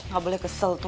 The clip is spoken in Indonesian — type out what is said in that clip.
gak boleh kesel tuh